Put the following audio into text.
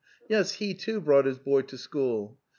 Yes, he, too, brought his boy to school.